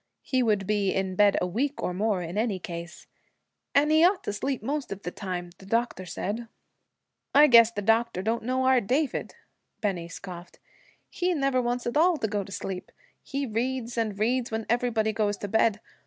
He would be in bed a week or more, in any case, 'and he ought to sleep most of the time, the doctor said.' 'I guess the doctor don't know our David!' Bennie scoffed. 'He never wants at all to go to sleep. He reads and reads when everybody goes to bed.